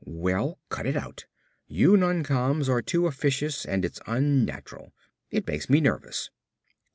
"Well, cut it out. You noncoms are too officious and it's unnatural. It makes me nervous."